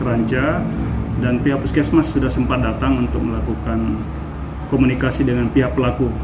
ranja dan pihak puskesmas sudah sempat datang untuk melakukan komunikasi dengan pihak pelaku